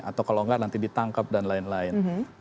atau kalau enggak nanti ditangkap dan lain lain